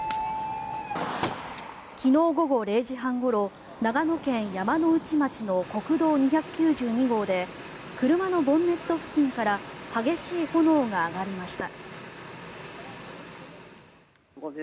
昨日午後０時半ごろ長野県山ノ内町の国道２９２号で車のボンネット付近から激しい炎が上がりました。